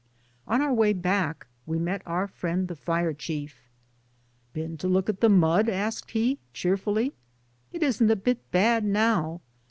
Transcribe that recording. On our way back we met our friend the fire chief. *^Been to look at the mudf asked he, cheer fully. *^It isn't a bit bad now.